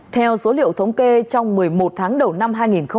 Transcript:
theo số liệu thống kê trong một mươi một tháng đầu năm hai nghìn hai mươi